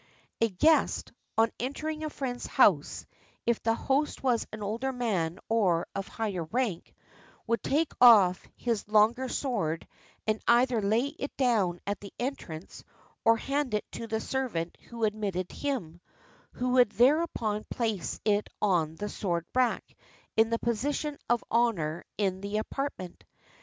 A guest, on entering a friend's house, if the host was an older man or of higher rank, would take off his longer sword and either lay it down at the entrance or hand it to the servant who admitted him, who would thereupon place it on the sword rack in the position of honor in the apartment.